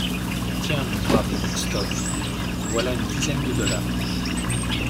Tiens, mon brave Crockston, voilà une dizaine de dollars.